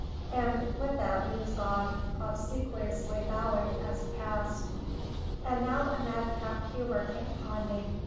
And with that he was gone, obsequiously bowing as he passed. And now a madcap humour came upon me.